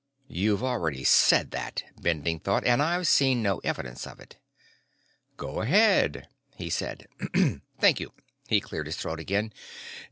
You've already said that, Bending thought, and I've seen no evidence of it. "Go ahead," he said. "Thank you." He cleared his throat again.